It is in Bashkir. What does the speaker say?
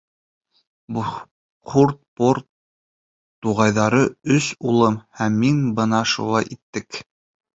Бһуртпор туғайҙарын өс улым һәм мин бына шулай иттек.